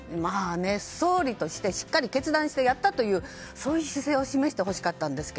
総理として、しっかり決断してやったというそういう姿勢を示してほしかったんですが。